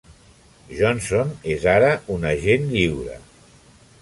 Johnson és ara un agent lliure.